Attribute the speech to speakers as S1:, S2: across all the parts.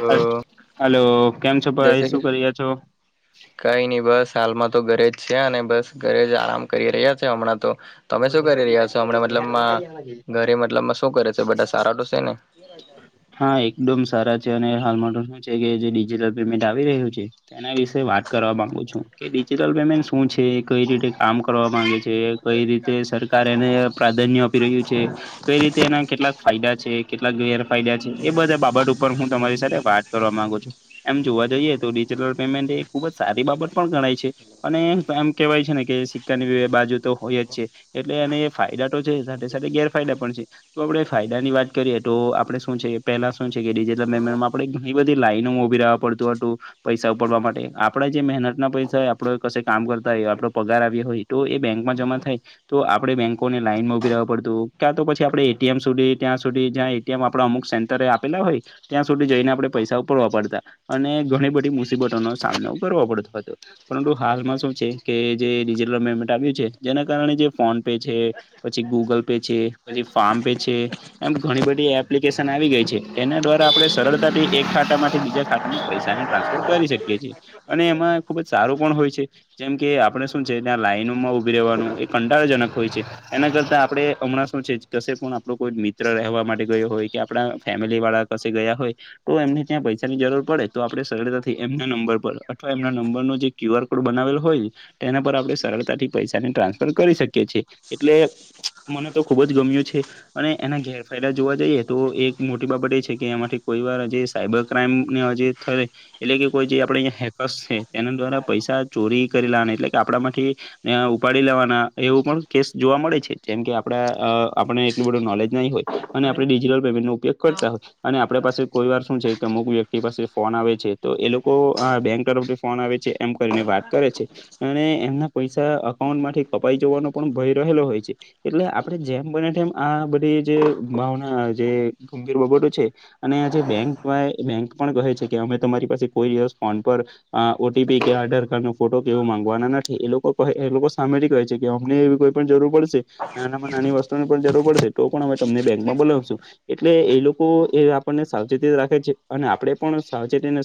S1: હ
S2: હલો કેમ છો
S1: જય
S2: ભાઈ
S1: શ્રી
S2: શું
S1: કૃષ્ણ
S2: કરી રહ્યા છો
S1: કઈ નહી બસ. શાલમાં તો ઘરે જ છે અને બસ ઘરે જ આરામ કરી રહ્યા છે હમણાં તો. તમે શું કરી રહ્યા છો હમણાં મતલબમાં ઘરે મતલબમાં શું કરે છે બધા સારા તો છે ને.
S2: હા એકદમ સારા છે અને. હાલમાં તો શું છેકે ડિજિટલ પેમેન્ટ આવી રહ્યું છે તેના વિશે વાત કરવા માંગુ છું કે ડિજટલ પન્ટ. ન શું છે કઈ રીતે કામ કરવા માંગે છે. કઈ રીતે સરકાર એને પ્રાધાન્ય આપી રહ્યું છે કઈ રીતે એના કેટલાક. ફાયદા છે કે. ેરફાયદા એ બધા બાબત ઉપર હું તમારી સાથે વાત કરવા માંગુ છું એમ જોવા જઈએ તો. મેન્ટ એ ખુબ જ સારી બાબત પણ ગણાય છે અને આમ કેહેવાય છે ને કે સિક્કાની બાજુ તો. હોય જ છે એટલે એને ફાયદા તો છે સાથે સાથે ગેરફાયદા પણ છે તો આપડે ફાયદા ની વાત કરીએ. તો આપડે શું છે પેલા શું છે કેડીજટ મેમમાં આપે ઘણી બધી લાઈનોમાં ઉભીવા પડતું હતું પૈસા. ઉપડવા માટે આપણે જે મહેનત ના પૈસા આપડ ક કામ કરતા હોય આપડો પગાર આવ્યો હોય તો એ બેંકમાં જ. થ તો આપણે બેંકોને લાઈન માં ઉભી રવા પડતું ક્યા તો પછી આપે એએમ સુધી ત્યાં સુધી જ્યાં. આપ અમુક સેન્ટર આપેલા હોય ત્યાં સુધી જઈને આપણેે પૈસા ઉપર વાપરતા અને ઘણી બધી મુસીબત. પડતો હતો પરુ હાલમાં શ છે જે [unintelligible] જે ફોન પે છે પછી ગૂગલ પે છે પછી ફારમ પે છે એમ ઘણી બધી. લિકેશ આવીઈ છે એના દ્વારા આપણે સરળતાથી એક ખાતા માંથી બીજા ખાતામાં પૈસાની ટ્રાન્સફર કરી. અને એમાં ખુબ જ સારું પણ હોય છે જેમ કે આપણે શું છે ત્યા લાઈનોમાં ઉભી રહેવાનું. કંટારજનક હોય છે એના કરતા આપણે હમણાં શું છે ક પણ આપું કોઈ મિત્ર રહેવા માટે. હોય કે આપણા ફેમિલી વાળા ક ગયા હોય તો એમને ત્યાં પૈસાની જરૂર પડે તો આપણે સરળતાથી. અથવા એમના નંબર નો જે ક્યુ આર કોડ બનાવેલો હોય તેના પર આપણે સરળતાથી પૈસાની ટ્ર. ટ કરી શકીી એટલે મને તો ખુબ જ ગમ્યું છે અને એના ગેરફાયદા. જોવા જઈએ તો એક મોટી બાબત એ છે કે એમાંથી કોઈ વારજ સાયબર ક્રાઈમ ને હજ થ એટલે. કોઈ જે આપણે હેકર્સ છે તેના દ્વારા પૈસા ચોરી કરીલા એટલે કે આપડા થી ઉપાડી. લેવાના એવું પણ કેસ જોવા મળે છે જેમ કે આપડા આપને એટલું બધું નોલેજ નહી હોય. અને આપણે ડિજિટલ પેમેન્ટ નો ઉપયોગ કરતા હોય અને આપડ પાસે કોઈ વાર શું છે કે અમુક વ્યક્તિ પાસે ફોન આવે છે તો એ લોકો બેંક તરફથી ફોન આવે છે એમ કરીને વાત કરે છે અને એમના પૈસા અઉ. થી કપાઈ જવાનો પણ ભય રહેલો હોય છે એટલે આપે જેમ બને તેમ આ બધી જે. ભાવના જે ગંભીર બાબતો છે અને આજે બેંક વા બેંક પણ કહે છે કે અમે તમારી. કોઈ દ ફન ઓપી કે આધાર કાર્ડ ન ફોટો કેવું માંગવાના નથી એ લોકો. સામે ક છે કે અમને એવી કોઈ પણ જરૂર પડશે નાનામાં નાની વસ્તુ ની પણ જરૂર પડશે તો પણ અમે તમને બે. બ એટલે એ લોકો એ આપને સાવચેતી રાખે છે અને આપડે પણ સાવચેતીને.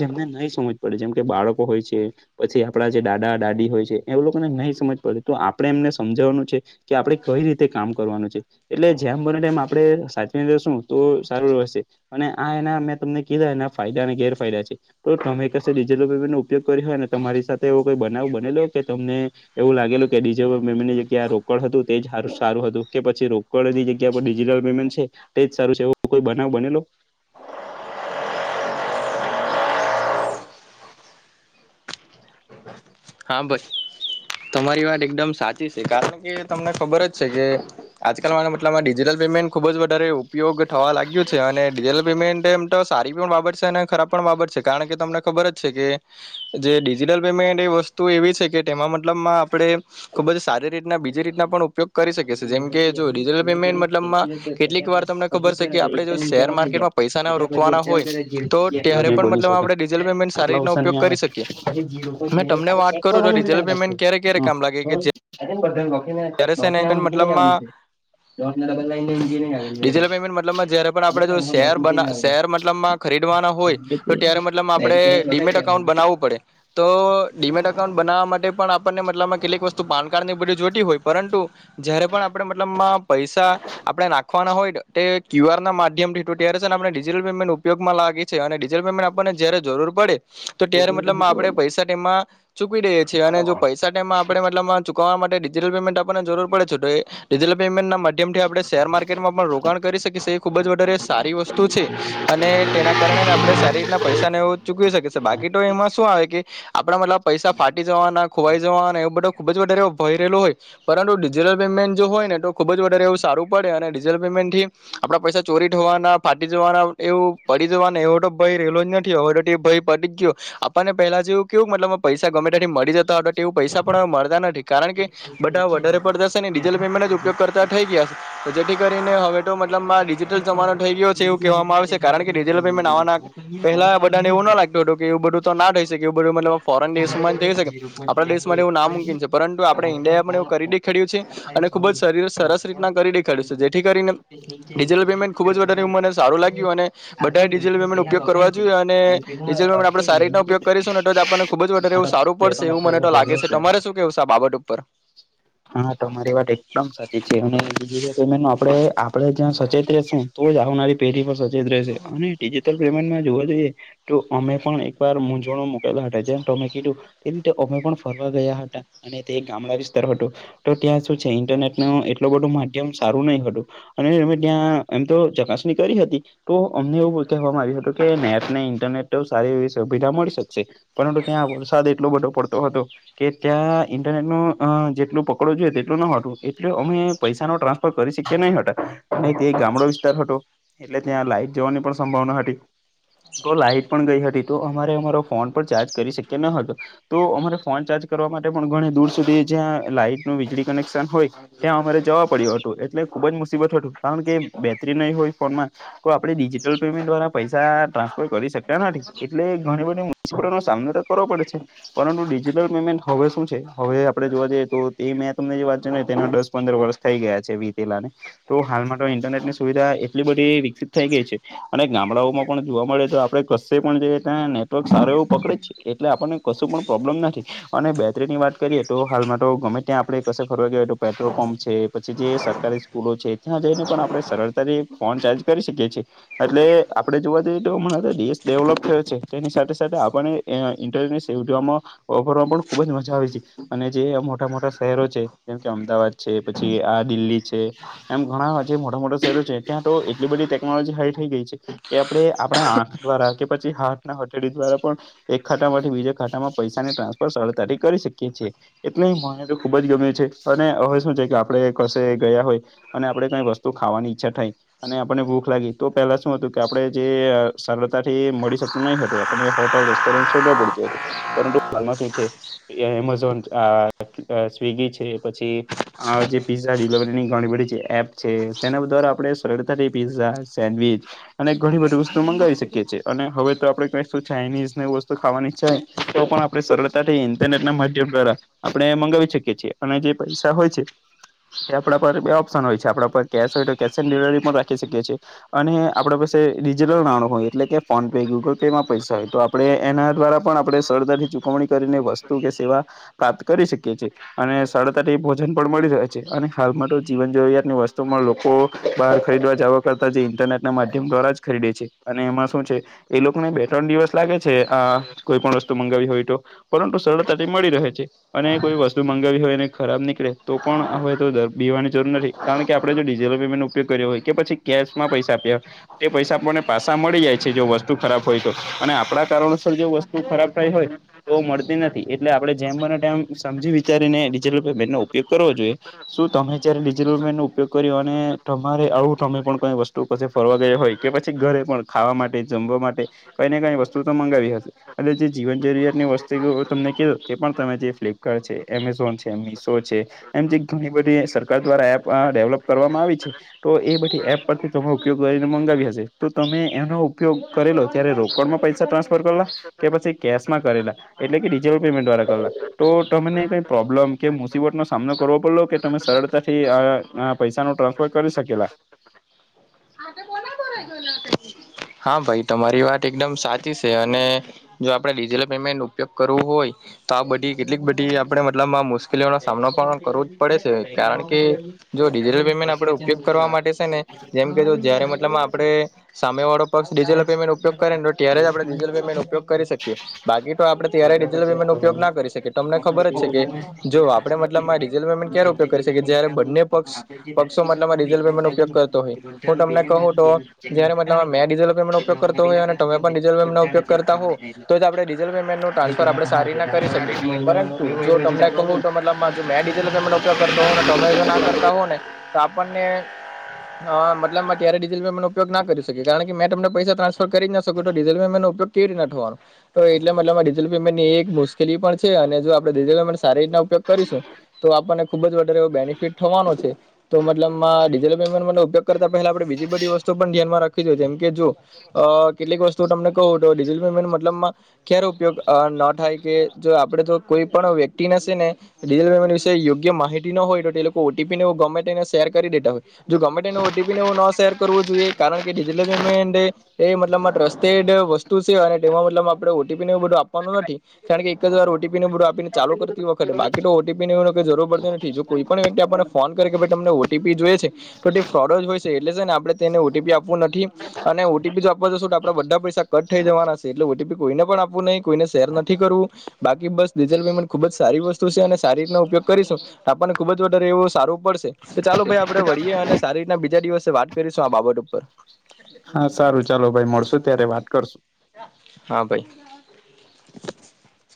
S2: જેમને નહી સમજ પડે જેમ કે બાળકો હોય છે પછી આપડા જે દાદા દાડી. એ લોકોને નહી સમજ પડે તો આપણે એમને સમજવાનું છે કે આપડણે કઈ રીતે કામ કરવાનું છે. એટલે જેમ બને એમ આપણેે સાચવીને જશું તો સારું રહેશે અને આ એના મેં તમને કીધા એના. ફાયદા અને ગેરફાયદા છે તો તમે એકિટલ પેમેન્ટો ઉપયોગ કરી્યો હોય ને તમારી સાથેવ કોઈ બનાવ બનેલો. કે તમને એવું લાગેલું કેીજે મેમને જગ્યા રોકડ હતું તે જ સારું હતું કે પછી ર ની જગ્યાિજટલ પેમેન્ટ છે તેજ સારું છે એવ કોઈ બનાવ બનેલો [inaudible]
S1: હા ભાઈ તમારી વાત એકદમ સાચી કારણ કે તમને ખબર જ છે કે આજકાલ મા મતલબમાં ડિજિટલ પેમેન્ટ ખુબ જ વધારે ઉપયોગ થવા લાગ્યું છે અને ડિજિટલ પેમેન્ટ એમ તો સારી પણ બાબત છે અને ખરાબ પણ બાબત છે કારણ કે તમને ખબર બર જ છે કે જે ડિજિટલ પેમેન્ટ એ વસ્તુ એવી છે કે તેમાં મતલબમાં આપડે ખુબ જ સારી રીત બીજી રીતના પણ ઉપયોગ કરી શકે છે જેમ કે જો ડિજટલ પેમેન્ટ મતલબમાં કેટલીક વાર તમને ખબર આપ જો શર માર્ટમાં પૈસા ના
S2: બની
S1: રોકવાના હોય તો ત્યારે પણ મતલબ
S2: શકે
S1: આપણેિઝલ પેમેન્ટ
S2: આટલા ઓછા
S1: ઉપગ
S2: નહીં આવે
S1: કરી તમને વાત કર તો ડિજટલ પેમેન્ટ ક્યારે ક્યારે કામ લાગે કે
S2: બધાકીનેને
S1: જ્યારે છે ને
S2: મૂકીને
S1: મતલબમાં
S2: જવાનું છે
S1: ડિજિટલ પેમેન્ટ મતલબમાં
S2: ન
S1: જ્યારે પણ
S2: આવે આવે
S1: ખવાના હોય તો ત્યારે મતલબ આપણે ડીમેટ અાઉન્ટ બનાવવું પડે તો ડીમેટ અકાઉન્ટ બનાવવા માટે પણ આપણને મતલબમાં કેટલીક વસ્તુ પાન કારડ ની બધી જોતી હોય પરંતુ જયારે પણ આપણે મતલબ પૈસા આપણે નાખવાના હોય તે ક્યુ આર ના માધ્યમ ઠું તય્યારે છે અને આપણે ડિજટલેમેન્ટ ઉપયોગમાં ગી છે અને ડી આપને જ જરૂર પડે તો ત્યારે મતલબ આપણે પૈસા તેમાં ચૂકીવી દઈએ છીએ અને જો પૈસા ટાઈમમાં આપણે મતલમાં વવા માટે ડિજટલેમેન્ટ આપને જરૂર પડે છે તોટલ પેમેન્ટ ના માધ્યમથી આપણે શેર માર્કેટમાં પણ રોકાણ કરી શકી એ ખુબ જ વધારે સારી વસ્તુ છે અને તેના કારણે જ આપડણે સારી રીતના પૈસા ને એવ ચૂકવી શકી છે બાકી તો એમાં શું આવે કે આપડે મતલબ પૈસા ફાટી જવાના ખોવાઈ જવાના એવ બધો ભય રહેલો હોય. પરંતુ ડિજિટલ પેમેન્ટ જો હોય ને તો ખુબ જ વધારે એવું સારું પડે ડિજિટલ પેમેન્ટથી આપણા પૈસા ચોરી જવાના, ફાટી જવાના, એવું પડી જવાના એવો તો ભય રહેલો જ નથી હોવે તો ભય પતી જ ગયો. આપણને પેલા જેવું કેવું મતલબ પૈસા ગમે ટયાથી મળી જતા હો હતા એવું પૈસા પણ મળતા નથી કારણ કે બધા વધારે પડતાશે ને ડિજિટલ પેમેન્ટ જ ઉપયોગ કરતા થઈ ગયા, છે તો જેથી કરીને હવે મતલબમાં ડિજિટલ જમાનો થઈ ગયો છે એવું કેવામાં આવે છે કારણ કે ડિજિટલ પેમેન્ટ આવવાના પહેલા બધાને એવું લાગતો હતું કે એવું બધું તો ના થઈ શકે. ફોરેન દેશમાં થકે આપણા દેશમાં એવું ના મૂનકીન છે, પરંતુ આપણે ઇન્ડિયા એ કરી દેખાડ્યું છે અને ખુબ જ શરીર સરસ રીતના કરી દેખાડ્યું છે જેથી કરીને ડિજિટલ પેમેન્ટ ખુબ જ વધારે એ મને સારું લાગ્યું અને બધા ડિજિટલ પેમેન્ટ ઉપયોગ કરવા જોઈએ અને ડિજિટલ પેમેન્ટ સારિ રીતે ઉપયોગ કરીશું ને તો આપને ખુબ જ
S2: આ
S1: એવું
S2: બે
S1: સારું પડશે
S2: ત્રણ
S1: એવું મને તો લાગે
S2: અઠવાડિયા
S1: છે, તમારે શું કેવુ છે આ બાબત ઉપર
S2: [unintelligible] [inaudible] હા તમારી વાત એકદમ સાચી છે અને ડિજટલ પેમેન્ટ ન આપણે આપડે જ્યાં સચેત રહેશું તો જ આવનારી પેઢી પણ સચેત રહેશે અને ડિજિટલ પેમેન્ટ જોવા જોઈએ તો અમે પણ એકવાર મૂંઝવણમાં મુકેલા હતા, જેમ તમે કીધું એ રીતે અમે પણ ફરવા ગયા હતા અને તે ગામડા વિસ્તાર હતો ત્યાં શું છે ઇન્ટરનેટ ન એટલો બધું જે સારું નહી હતું અને અમે ત્યાં એમ તો ચકાસણી કરી હતી તો અમને એવું કહેવામાં આવ્યું કે નેટ ને ઇન્ટરનેટ તો સારી એવી સુવિધા મળી શકશે પરંતુ ત્યા વરસાદ એટલો બધો પડતો હતો કે ત્યાં ઇન્ટરનેટ ન જેટલું પકડો જોઈએ તેટલું ન હતું એટલે અમે પૈસાનુ ટ્રાન્સ કરી શકી નહી હતા ને તે ગામડો વિસ્તાર હતો, એટલે ત્યાં લાઈટ જવાની પણ સંભાવના હતી. તો લાઈટ પણ ગઈ હતી, તો અમારે અમારો ફોન પણ ચાર્જ કરી શકિયા ન હતો તો અમારે ફોન ચાર્જ કરવા માટે પણ ઘણી દૂર સુધી જ્યાં લાઈટ ન વીજળી કનેકશન હોય ત્યાં અમારે જવા પડ્યું હતું એટલે ખુબ જ મુસીબત હતું કારણ કે ન હોય ફોનમાં આપણે ડિજિટલ દ્વારા પૈસા ટ્રાન્સફર કરી શકતા નથી એટલે ઘણી બધી મુસીબતો નો સામનો તને તો કરવો પડે છે પરંતુ ડિજિટલ પેમેન્ટ હવે શું છે હવે આપણેે જોવા જઈએ તો તે મેં તમને જાડાય દસ પંદર વર્ષ થઈ ગયા છિએ. તો હાલમાં ઇન્ટરનેટની સુવિધા એટલી બધી વિકસિત થઈ ગઈ છે અને ગામડાઓમાં પણ મળે તો આપણે કશે પણ જોઈએ ત્યાં નેટવર્ક સારું એવું પકડે એટલે આપણને કશું પણ પ્રોબ્લેમ નથી અને બેટરીની વાત કરીએ તો હાલમાં તો ગમે ત્યાં આપડે કશે ફરવા વા પેટ્રોલ પંપ છે, પછી જે સરકારી સ્કૂલો છે ત્યાં જઈને પણ આપણે સરળતાથી ફોન ચાર્જ કરી શકિએ છી એટલે આપણે જોવા જઈએ તો દેશ ડેવલોપ થયો છે તેની સાથે સાથે આપણે એ ઇન્ટરનેટ સેવામાં પણ ખુબ જ મજા આવે છે અને જે મોટા મોટા શહેરો છે. જેમ કે અમદાવાદ છે, પછી આ દિલ્હી છે એમ ઘણા જે મોટા મોટા શહેરો છે ત્યાં તો એટલી બધી ટેકનોલોજી હાઈ થઈ ગઈ છે કે આપણે આપણા આઅંખ દ્વારા કે પછી હાથ હથેડી દ્વારા પણ એક ખાતામાંથી બીજા ખાતામાં પૈસાની ટ્રાન્સફર સરળતાથી કરી શકીએ છીએ, એટલે મને તો ખુબ જ ગમ્યું છે. અને હવે શું છે કે આપણે કશે ગયા હોય અને આપે કઈ વસ્તુ ખાવાની ઈચ્છા થાય અને આપને ભૂખ લાગી તો પેલા શું હતું કે આપણે જે સરળતા થી મળી શકતું નહી હતું આપને હોટલ રેસ્ટોરન શોધક પડતું હતુ પરંતુ હમણાં શુ છે એમેઝોન, સ્વિગીછે પછી આ જે પીઝા ડિલિવરીની ઘણી બધી એપ છે તેના દ્વારા આપે સરળતાથી પિઝા, સેન્ડવીચ અને ઘણી બધી વસ્તુ મંગાવી શકીએ છીએ અને હવે તો આપણે કહીશું ચાઇનીઝની વસ્તુ ખાવાની તો પણ આપણે સરળ ઇન્ટરનેટ ના માધ્યમ દ્વારા આપણે મંગાવી શકીએ છીએ અને જે પૈસા હોય છે. એ આપણા પર બે ઓપ્શન હોય છે આપણા પર કેશ હોય તો કેશ ઓન ડિલિવરી પણ રાખી શકીએ છીએ અને આપડા પાસે ડિજિટલ નાણૂ હોય એટલે કે ફોન પે, ગુગલ પે માં પૈસા હોય તો આપણે એના દ્વારા પણ આપણે સરદરથી ચુકવણી કરીને વસ્તુ કે સેવા પ્રાપ્ત કરી શકીએ છીએ અને સારડતા થી ભોજન પણ મળી જકે છે અને હાલમાં તો જીવન જરૂરિયાત ની વસ્તુમાં લોકો બહાર ખરીદવા - - લાગે છે આ કોઈ પણ વસ્તુ મંગાવી હોય તો પરંતુ સરળતાથી મળી રહે છે અને કોઈ વસ્તુમા- - હોય, ખરાબ નીકળે તો પણ હવે તો પીવાની જરૂર નથી કારણ કે આપણે જો ડિઝિટલ પેમેન્ટ નો ઉપયોગ કર્યો- - કે પછી કેશમા પૈસા આપ્યા તે પૈસા આપણને પાસાા મળી જાય છે, જો વસ્તુ ખરાબ હોય તો- - અને આપણા કારણોસર જો વસ્તુ ખરાબ થઈ હોય, તો મળતી નથી એટલે આપણે- - જેમ મનેમ સમજી વિચારીને ડિજિટલેમેન નો ઉપયોગ કરવો જોઈએ શું તમે જય્યારે ડિજિટલ- - ઉપગ કર્યો અને તમારે આવું તમે પણ કોઈ વસ્તુ પછી ફરવા ગયા, હોય. કે પછી ઘરે પણ ખાવા માટે- - વા માટે કઈને કઈ વસ્તુ, તો મંગાવી હશે- - અનેટ જે જીવન જરૂરિયાતની વસ્તુઓ તમને કધો તે પણ તમે જે ફ્લિપકાર્ટ છે, એમેઝોન છે મિશો- - એમ જે ઘણી બધી સરકાર દ્વારા એ ડેવલપ કરવામાં આવી છે- - તો એ બધી એપ પરથી તમે ઉપયોગ કરીને મંગાવી હશે તો તમે એનો ઉપયોગ કરેલો ત્યારે - - કોણમાં પૈસા ટ્રાન્સફરલા- - કે પછી કેશમાં કરેલા એટલે કે ડિજિટલ પેમેન્ટ દ્વારા કરેલા તો તમને કઈ પ્રોબ્લમ કે મુસીબત- - સામનો કરવો પડલો કે તમે સરળતાથી આ પૈસા ન ટ્રાન્સફર કરી શકેલા?
S1: [unintelligible] હા ભાઈ તમારી વાત એકદમ સાચી છે અને જો આપણે ડિજિટલ પેમેન્ટ ઉપયોગ કરવો હોય- - તો આ બધી કેટલીક બધી આપણે મતલબમાં મુશ્કેલીઓનો સામનો પણ કરવો જ પડે છે કારણ કે- - જો ડિજિટલ પેમેન્ટ આપડે ઉપયોગ કરવા માટે છે ને જેમ કે જો જયારે મતલબ આપડે સામે વાળો પક્ષ- - ડિજિટલ પેમેન્ટ ઉપયોગ કર ને તો ત્યારે જ આપણે ડિજિટલ પેમેન્ટ ઉપયોગ કરી શકીએ બાકી તો આપણે ત્યારે ડિજિટલ પેનમેન્ટ ઉપયોગ ના કરી શકીએ તમને ખબર જ છે કે જો આપણે મતલબમાં ડીઝલ પેમેન્ટ ક્યારે ઉપયોગ કરી શકી જય્યારે બંને- - પોક્ષ પક્ષૌ મતલબ [inaudible] ઉપયોગ કરતો હોય હું તમને કહું તો જયારે મતલબ મે મે ઉપયોગ કરતો હોય અને તમે પણ ડિઝલ ડિજિટલ પેમેન્ટ નો ઉપયોગ કરતા હોવ તો જ આપણે ડીઝલ પેમેન્ટ ન ટ્રાન્સફર આપણે સારી ના કરી શકે પરંતુ જો તમને કહું તો મતલબ માં મેં ડિજલ પેમેન્ટનો ઉપયોગ કરતો હોં ને તમે જો ના કર કહું ને તો આપણને મતલબલમાં ક્યારેય ડિજિટલ પેમેન્ટ ઉપયોગ ના કરી શકીએ. ટ્રાન્ફર કરી જ ના શકુ તો ડિઝલ પેમેન્ટ નો ઉપયોગ કેવી રીના થવાનો? તો એટલે મતલબ આ ડિઝલ પેમેન્ટની એક મુશ્કેલી પણ છે અને જો આપણે ડીઝલ પેમેન્ટ સારી રીતના ઉપયોગ કરીશું તો આપણને ખુબ જ વધારે એવ બેનિફિટ થવાનો છે તો મતલબમાં ડિજટલ પેમેન્ટ ઉપયોગ કરતા પહેલા આપે બીજી બધી વસ્તુ તો પણ ધ્યાનમાં રાખી કીધું કે એમ કે જો કેટલીક વસ્તુ તમને કહું તો ડીઝલ પેમેન્ટ મતલબમાં ખેર ઉપયોગ ન થાય કે જો આપડે તો કોઈ પણ વ્યક્તિ ને સેને ડીઝલ પેમેન્ટ વિશે યોગ્ય માહિતી ન હોય તે લોકો ઓટીપી ને એવું ગમેતેને શેર કરી દેતા હોય જો ગમેતેને ઓટીપી ને એવું ન શેર કરવો જોઈએ કારણ ડિજિટલ પેમેન્ટ એ મતલબમાં ટ્રસ્ટેડ વસ્તુ છે અને તેમાં મતલબ આપણે ઓટીપી ને એવ બધું આપવાનું નથી કારણ કે એકજ વાર ઓટીપી ને બધું આપીને ચાલુ કરતી વખતે બાકી તો ઓટીપી ની જરૂર પડતી નથી જોકોઈ કોઇ વ્યકિત આપ ફોન કર કે તમને ઓટીપી જોઈ છે તો ફોર્ડજ હોય છે એટલે ને આપણે તેને ઓટીપી આપ એવુ નથી અને ઓટીપી આપવા જશો તો આપડા બધા પૈસા કટ થઈ જવાના છે એટલે ઓટીપી કોઈને પણ આપવું નહીં કોઈને શેર નથી કરવું બાકી બસ ડીઝલ પેમેન્ટ ખુબ જ સારી વસ્તુ છે અને સારી રીત ઉપયોગ કરીશું આપણને બધુ અત્યારે એવું સારું પડશે તો ચાલો ભાઈ આપણે વળીએ અને સારી રીતના બીજા દિવસે વાત કરીશું આ બાબત ઉપ
S2: હા સારું ચાલો ભાઈ મળશો ત્યારે વાત કરશું.
S1: હા ભાઈ [unintelligible]